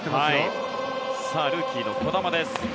ルーキーの児玉です。